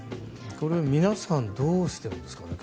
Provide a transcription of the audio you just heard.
これ、皆さんどうしてるんですかね。